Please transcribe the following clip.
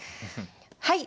はい。